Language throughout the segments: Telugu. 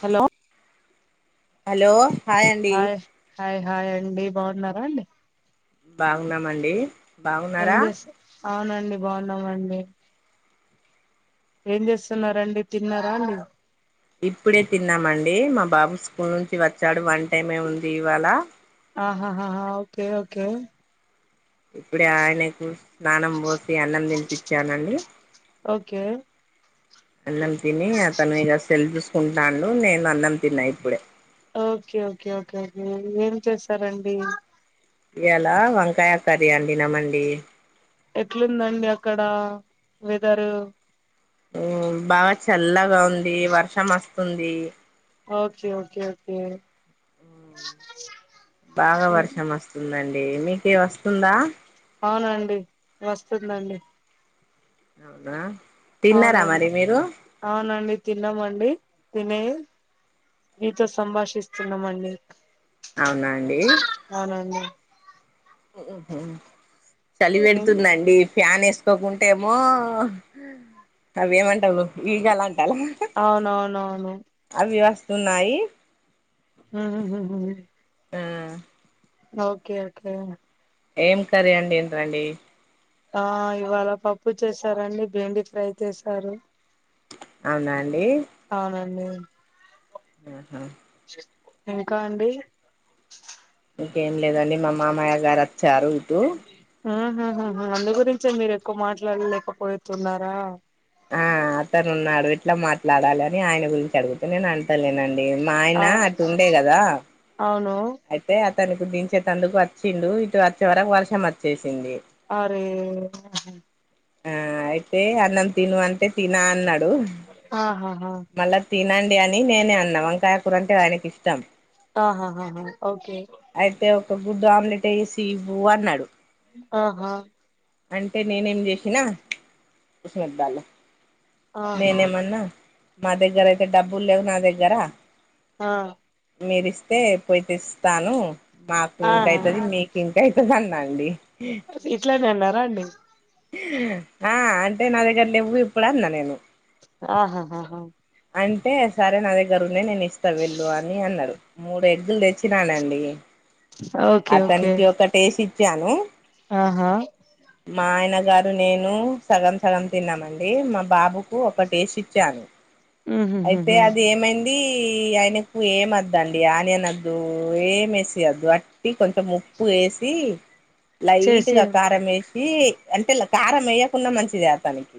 హలో అలో హాయె హాయ్ హాయ్ అండి బావున్నారా అండి బాగున్నామండి ఏం బాగున్నారా జేసు అవునండి బావున్నామండి ఏం జేస్తున్నారాండి తిన్నారా అండి ఇప్పుడే తిన్నామండి మా బాబు స్కూల్ నుంచి వచ్చాడు వన్ టైమే ఉంది ఇవాళ ఆహాహాహ ఓకే ఓకే ఇప్పుడే ఆయనకు స్నానం పోసి అన్నం తినిపిచానండి ఓకే అన్నం తిని అతను ఇగ సెల్ చూసుకుంటాండు నేన్ అన్నం తిన్న ఇప్పుడే ఓకే ఓకే ఓకే ఓకే ఏం చేస్తారండి ఇయాలా ఒంకాయ కరీ అండి నమండి ఎట్లుందండి అక్కడ వెదరు ఉ బాగా చల్లగా ఉంది వర్షం అస్తుంది ఓకే ఓకే ఓకే బాగా వర్షం వస్తుందండి మీకే వస్తుందా అవునండి వస్తుందండి అవునా తిన్నారా అవునండ్ మరి మీరు అవునండి తిన్నామండి తినే మీతో సంభాషిస్తున్నమండి అవునా అండి అవునండి ఉహు చలి వెడుతుందండి ఫ్యాన్ ఏసుకోకుంటేమో అవేమంటలు ఈగలాంటలా అవునవునవును అవి వస్తువున్నాయి ఉ హు హు హ్ ఆ ఓకే ఓకే ఏం కర్రీ వండిర్రు అండి. ఆ ఇవాళ పప్పు చేసానండి. బెండి ఫ్రై చేసాను. అవునా అండి. అవునండి. మ్ హూ ఇంకా అండి ఇంకేం లేదండి మా మామయ్య గారు వచ్చారు ఇటు ఆ అందు గురించే మీరు ఎక్కువ మాట్లాడలేకపోతున్నారా? ఆ అతను ఉన్నాడు ఎట్లా మాట్లాడాలి అని ఆయన గురించి అడుగుతున్నా. నేను అంటాలేనండి. మా ఆయన ఆ అటు ఉండె కదా అవును అయితే అతనికి పిలిచేటందుకు వచ్చిండు ఇటు వచ్చే వరకు వర్షం వచ్చేసింది. అరే ఆ అయితే అన్నం తిను అంటే తినా అన్నాడు. ఆహా, హా మళ్ళా తినండి అని నేనే అన్నా. వంకాయ కూర అంటే ఆయనకి ఇష్టం. ఆహా! ఓకే అయితే ఒక గుడ్డు ఆమ్లెట్ ఏసి ఇవ్వు అన్నాడు. ఆహా అంటే నేనేం చేసినా ఉస్మత్ దాలో ఆహా నేనేమన్నా మా దగ్గర అయితే డబ్బులు లేవు నా దగ్గర ఆ మీరి ఇస్తే పోయి తెస్తాను. మాకు ఇంకా ఆహా అయితాది మీకు ఇంకా అయితాది అన్నా అండి. అసలు ఇట్లనే అన్నారా అండి? ఆ అంటే నా దగ్గర లేవు ఇప్పుడు అన్నా నేను. ఆహా! హా అంటే సరే నా దగ్గర ఉన్నాయి. నేను ఇస్తా వెళ్ళు అని అన్నారు. మూడు ఎగ్గులు తెచానండి. ఓకే ఓకే అతనికి ఒక టేసి ఇచ్చాను. ఆహా మా ఆయన గారు నేను సగం సగం తిన్నామండి. మా బాబుకు ఒకటి వేసి ఇచ్చాను. అయితే ఉహుహుహు అది ఏమైంది అది ఆయనకు ఏమద్దు అండి ఆనియన్ వద్దు ఏమి వేసియద్దు అ కొంచెం ఉప్పు వేసి చేసి లైట్గా కారం వేసి అంటే కారం వేయకుండా కూడా మంచిదే అతనికి.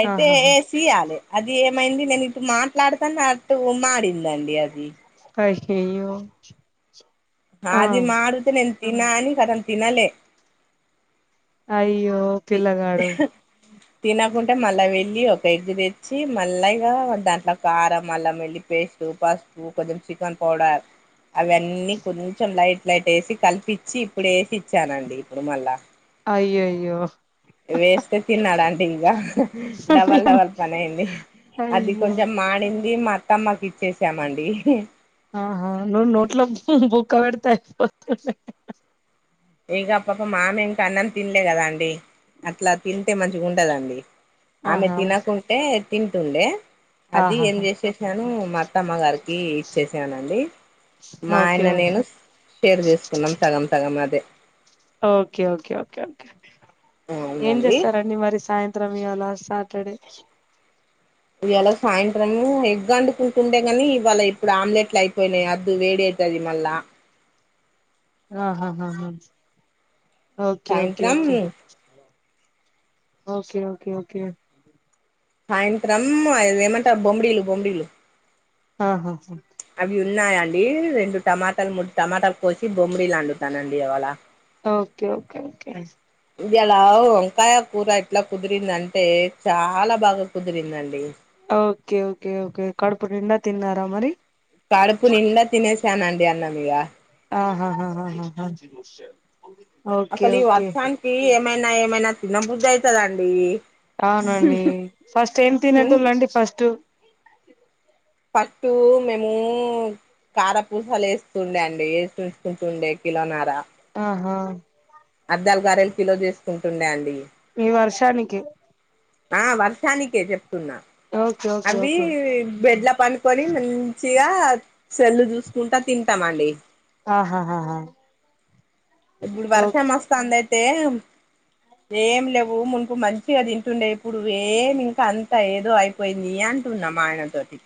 అయితే ఆహాహా వేసియ్యాలి అది ఏమైంది నేను మాట్లాడుతాంటే అట్టు మాడిందండి అది. అయ్యయ్యో ఆ అది మాడితే నేను తిన అని సగం తినలే. అయ్యో పిల్లగాడు హ్ తినకుంటే మళ్ళా వెళ్లి ఒక ఎగ్ తెచ్చి మళ్ళా ఇగ దాంట్లో కారం మళ్ళా అల్లం వెల్లుల్లి పేస్ట్ టూ పాస్ ట కొంచం చికన్ పౌడర్. అవన్నీ కొంచెం లైట్ లైట్ ఏసి కలిపిచ్చి ఇప్పుడు ఏసి ఇచ్చానండి ఇప్పుడు మళ్ళా. అయ్యయ్యో వేస్తే తిన్నాడా అండి ఇగా డబల్ డబల్ పని అయింది అది అయ్యో కొంచెం మాడింది మాత్ తమ్మకి ఇచ్చేశామండి ఆహా నువు నోట్లో బుక్కపెడితే అయిపోతుండే. ఇగా పాపం ఆమె ఇంకా అన్నం తిన్లే కదా అండి అట్లా తింటే మంచిగుండదండి. ఆమె ఆహా తినకుంటే తింటుండే అది ఏం ఆహాహా చేశేశ్ శానూ మా అత్తమ్మ గారికి ఇచ్చేశానండి మా ఓకే ఆయన నేను. షేర్ చేసుకున్నం సగం సగం అదే ఓకే ఓకే ఓకే ఓకే ఏం అవునండి చేస్తారండి మరి సాయంత్ త్రం ఇవాళా సాటర్డే ఇయ్యాలా సాయంత్రం ఎగ్ అండుకుంటుండే గానీ ఇవాళ ఇప్పుడు ఆమ్లెట్లు అయిపోయినయి అద్దు వేడి అయి తది మళ్ళా ఆహాహా హా హా ఓకే ఓకే సాయంత్రం ఓకే ఓకే ఓకే ఓకే సాయంత్రమ్మ్ ఇది ఏమంటర్ బొంమ్డీలు బొంమ్డీలు ఆహాహా అవి ఉన్నాయండీ రెండు టమాటాలు మూడు టమాటాల్ కోసి బొంమ్డీలు వండుతానండి ఇవాళా. ఓకే ఓకే ఓకే ఇయ్యాలా వంకాయ కూర ఎట్లా కుదిరిందంటే చాలా బాగా కుదిరిందండి. ఆ ఓకే ఓకే ఓకే కడుపు నిండా తిన్నారా మరి. కడుపు నిండా తినేశాన్ అండి అన్నం ఇగా ఆహా హా హా హా హా ఓక్ అసలు ఈ వర్షానికీ ఏమైనా ఏమైనా తినబుద్ధి అయితదండీ. అవునండీ ఫస్ట్ ఏం తినేటోళ్ళండి ఫస్టు ఫస్టూ మేమూ కార పూసలు ఏస్తుండే అండి ఏసి ఉంచుకుంటుండే కిలోనరా. ఆహా అద్దాలు గారేల్ కిలో చేసుకుంటుండే అండి ఈ వర్షానికి ఆ వర్షానికే చెప్తున్నా ఓకే ఓకే అవ్వీ ఓకే బెడ్ల పని కొనీ మంచిగా సెల్లు చూసుకుంటా తింటామండి ఆహాహాహా ఇప్పుడు ఓ వర్షం వస్తాంది అయితే ఏం లెవ్వు మునుపు మంచిగా తింటుండే ఇప్పుడు ఏమి ఇంకా అంత ఏదో అయిప్ పొయిందీ అంటున్నా మా ఆయన తోటి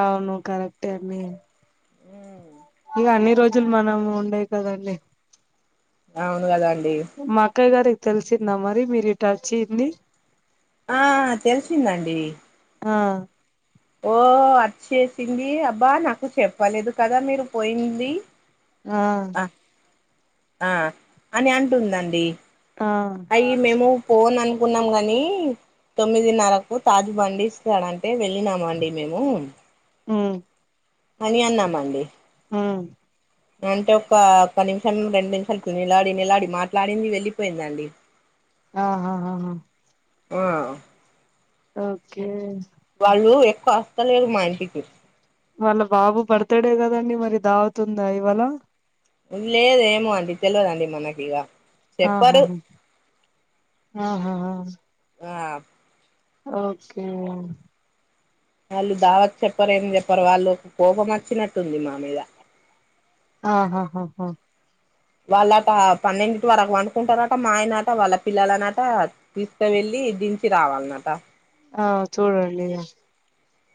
అవును కరెక్టే అమ్మీ ఇగ అన్ని రోజుల్ మనం ఉండయి కదా అండి అవును గదా అండి మా అక్కయ్య గారిక్ తెలిసిందా మరి మీరు ఇటు వచ్చింది ఆ తెలిసింది అండి ఆ ఓ అచ్చేశిందీ అబ్బా నాకు చెప్పలేదు కదా మీరు పోయిందీ. ఆ ఆ అని అంటుందండి ఆ అయి మేము పోన్ అనుకున్నాం గాని తొమ్మిదిన్నరకు తాజు బండి ఇస్తాడంటే వెళ్ళినాము అండి మేము ఉ అని అన్న మండి ఆ అంటే ఒ ఒక్క నిమిషం రెండు నిమిషాలు నిలాడి నిలాడి మాట్లాడింది వెళ్ళిపోయిందండి ఆహా ఆ ఆ ఓకే వాళ్ళు ఎక్కువ వస్తలేరు మా ఇంటికి వాళ్ళ బాబు బర్తడే కదండి మరి దవత్ ఉందా ఇవాళ లేదు ఏమో అండి తెలియదండి మనకి ఇగ ఆహా ఆహా ఆ ఓకే వాళ్ళు దావత్ చెప్పారు ఏమ చెప్పారు వాళ్ళు ఒక కోపం వచ్చినట్టుంది మా మీద ఆహాహాహా వాళ్ళట పన్నెండింటి వరకు వంకుంటారట మా ఆయనట వాళ్ళ పిల్లలనట తీసుక వెళ్ళి దించి రావాలన్నట ఆ చుడండి ఇగ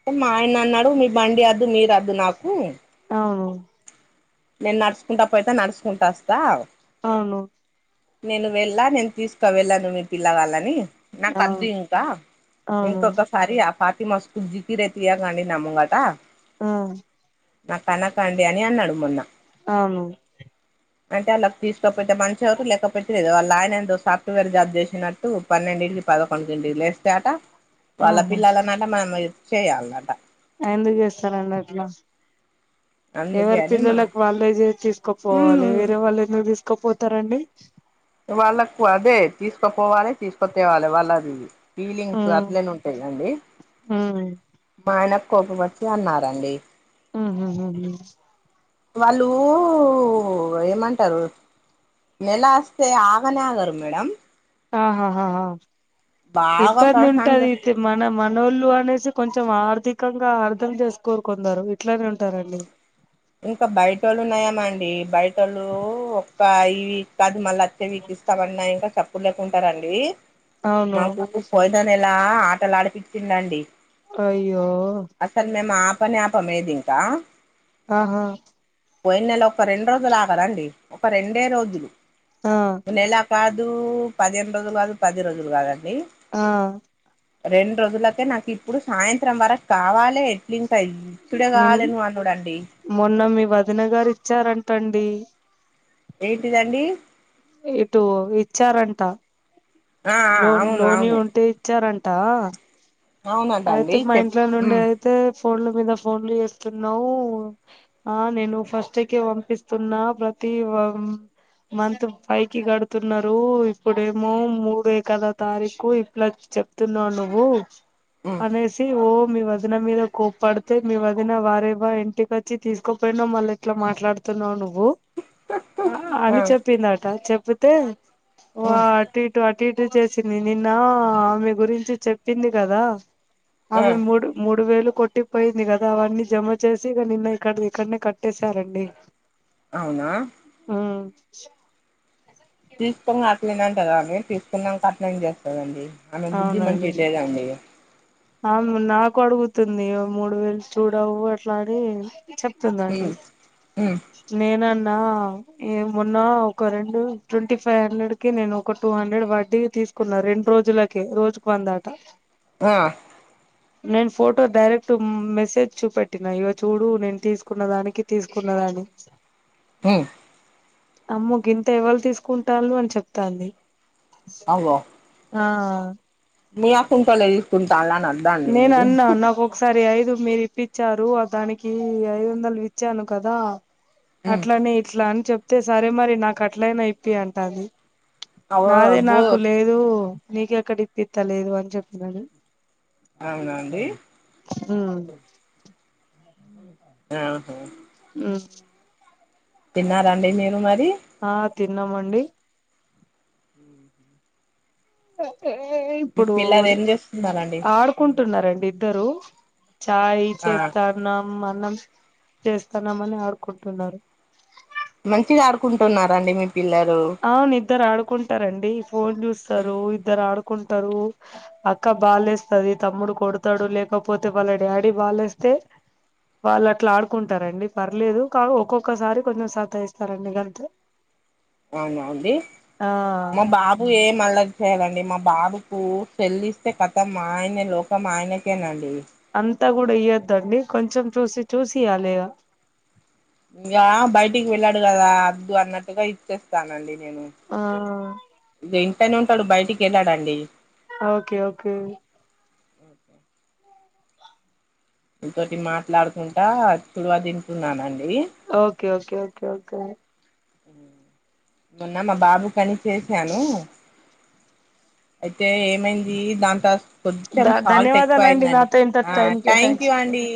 అంటే మా ఆయన అన్నాడు మీ బండి వద్దు మీరు వద్దు నాకు అవును నేను నడుచుకుంట పోయిత నడుచుకుంట వస్తా అవును నేను వెళ్ళా నేను తీసుకు వెళ్ళాను మీ పిల్లవాళ్ళని నాకు అవును [unintelligible] ఇంకా అవును ఇంకొక [unintelligible] ఆ నా కనకండి అని అన్నాడు మొన్న అవును అంటే [unintelligible] పలేదు వాళ్ళ ఆయన ఏందో సాఫ్ట్వేర్ జాబ్ చేసినట్టు పన్నెండింటికి పదకొండుడింటికి లేస్తేట అ వాళ్ళ పిల్లల అన్నట మనం [unintelligible] ఎందుకు చేస్తారండి అట్ల అందుకే ఎవరి అని మా పిల్లలలకు వాళ్ళే చేసి తీసుకోపోవాలి వేరే వాళ్ళు నువు తీసుకోపోతారండి వాళ్ళకు అదే తీసుకోపోవాలి తీసుకొ తేవాలి వాళ్ళదిది ఫీలింగ్స్ ఉమ్ అట్లనే ఉంటా ఉమ్ [unintelligible] మా ఆయనకు కోపం వచ్చి అన్నరండి ఉహు వాళ్ళు ఏమంటరు నెల అస్తే ఆగనే ఆగరు మేడం ఆహాహా బాగా ఇబ్బంది పర్సన్ ఉంటది అయితే మన మనోళ్ళు అనేసి కొంచెం ఆర్థికంగా అర్థం చేసి కోరుకుందారు ఇట్లనే ఉంటారండి ఇంకా బయట వాళ్ళు నయం అండి బయట వోళ్ళు ఒక ఇ కాదు మళ్ళ వీకి ఇస్తామన్నా ఇంకా చెప్పు లేకుంటారంండి అవును మాకు [unintelligible] పోయిన నెల ఆటలు ఆడిపించిందండి అయ్యో అసలు మేము అపనే ఆపము ఏది ఇంకా ఆహా పోయి నెల ఒక రెండు రోజులు ఆగరండి ఒక రెండే రోజులు ఆ నెల కాదు పదిహేను రోజులు కాదు పది రోజులు కాదండి ఆ రెండు రోజులకే నాకు ఇప్పుడు సాయంత్రం వరకు కావాలి ఎట్లింట అయి [unintelligible] నిన్ ఇడగాలన్న అందూడండి మొన్న మీ వదిన గారు ఇచ్చారంటండి ఏంటిదండి ఇటు ఇచ్చారంట ఆ ఆ లోన్ అవును లోని అవును ఉంటే ఇచ్చారంట అవునట అండి అయితే మా చెప్ ఇంట్లో నుండి ఉమ్ అయితే ఫోన్ల మీద ఫోన్లు చేస్తున్నావు ఆ నేను ఫస్ట్ కి పంపిస్తున్న ప్రతి మంత్ ఫైవ్ కి గడుతున్నారు ఇప్పుడేమో మూడు కదా తారీకు ఇట్లా చెప్తున్నావు నువ్వు ఉం అనేసి ఓ మీ వదిన మీద కోప్పడితే మీ వదిన వారేవా ఇంటికి వచ్చి తీసుకోపోయినా మళ్ళీ ఇట్లా మాట్లాడుతున్నావు నువ్వు అని ఆ చెప్పిందట చెప్పితే ఆ వా అటు ఇటు అటు ఇటు చేసింది నిన్న ఆమె గురించి చెప్పింది కదా ఆ ఆమె మూడు మూడు వేలు కొట్టి పోయింది కదా అవన్నీ జమ చేసి ఇక నిన్న ఇక్కడ ఇక్కడనే కట్టేసారండి అవునా ఉం తీసుకుొని [unintelligible] అట్లేదంట కదాని తీసుకునిక అట్లేం చేస్తదండి అమె బుద్ధి మనకి ఇలేదండి అవును మళ్ళీ నాకు అడుగుతుంది మూడు వేలు చూడవు అట్లా అని చె స్తుందండి ఉమ్ ఉమ్ నేనన్నా ఏ మొన్నా ఒక రెండు ట్వంటీ ఫైవ్ హండ్రెడ్ కి నేను ఒక టూ హండ్రెడ్ వడ్డీ తీసు కున్న రెండు రోజులకే రోజుకు వందాట ఆ నేను ఫోటో డైరెక్ట్ మెసేజ్ చూపెట్టినా ఇక చూడు నేను తీసుకున్న దానికి తీసుకున్నదాని ఉం అమ్మో గింత ఎవలు తీసుకుంటారు అని చెప్తాంది అగో ఆ మీ అకున్ కలేజ ఇసుకుంట అాలన [unintelligible] నేను అన్నా నాకు ఒకసారి ఐదు మీరు ఇప్పించారు దానికి ఐదు వందలు విచ్చాను కదా ఉమ్ అట్లనే ఇట్లా అని చెప్తే సరే మరి నాకు అట్లయినా యిప్పి అంటది అగో నాదే అబ్బో నాకు లేదు నీక ఎక్కడ ఇప్పిస్తా లేదు అని చెప్పినడు అవునా అండి మ్ ఆహా మ్ తిన్నరా అండి మీరు మరి ఆ తిన్నామండి మీ ఇప్పుడు పిల్లలు ఏం చేస్తున్నారండి ఆడు కుంటున్నారండి ఇద్దరు చాయ్ ఆ చేస్త తున్నాం అన్నం చేస్తున్నాం అని ఆడుకుంటున్నారు మంచిగా ఆడుకుంటున్నారండి మీ పిల్లలు అవును ఇద్దరు ఆడుకుంటారండి ఫోన్ చూస్తారు ఇద్దరు ఆడుకుంటారు అక్క బాలేస్తది తమ్ముడు కొడుతాడు లేకపోతే వాళ్ళ డాడీ బాలేస్తే వాళ్ళు అట్లా ఆడుకుంటారండి పర్లేదు కా ఒక్కొక్కసారి కొంచెం సత ఇస్తారండి గంతే అవున అండి ఆ మా బాబ్ బ్బు ఎం అల్లరి చేయాడండి మా బాబుకు సేల్లిస్తే కతం ఆయన లోకం ఆయనకేనండి అంతా కూడా ఇయ్యొద్దండి కొంచెం చూసి చూసి ఇయ్యాలిగా ఇగ బయటికేళ్ళాడు కదా అద్దు అన్నట్టుగా ఇచ్చేస్తానండి నేను ఆ ఇగ ఇంట్లనే ఉంటాడు బయటికేళ్ళాడండి ఓకే ఓకే ఓకే మీ తోటి మాట్లాడుకుంటా చుడవ తింటున్నానండి ఓకే ఓకే ఓకే ఓకే మొన్న మా బాబు కని చేసాను అయితే ఏమైంది దాంతా కొంచెం ధ సాల్ట్ ఎక్కువ ధన్యవాదాలండి అయిందండి నాతో ఇంత ఆ టైం థ్యాంక్ కేటాయించి యూ అండి